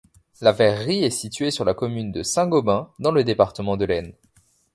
La verrerie est située sur la commune de Saint-Gobain, dans le département de l'Aisne.